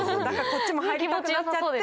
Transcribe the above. こっちも入りたくなっちゃって。